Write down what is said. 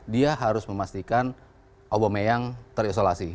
dia harus memastikan aubameyang terisolasi